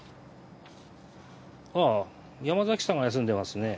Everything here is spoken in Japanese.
ああ山崎さんが休んでますね。